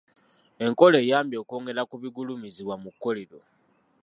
Enkola eyambye okwongera ku bigulumizibwa mu kkolero.